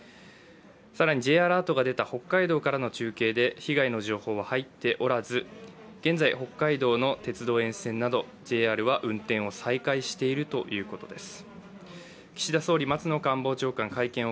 更にＪアラートが出た北海道からの中継で被害の情報は入っておらず、現在北海道の鉄道沿線などＪＲは運転を再開しているということです。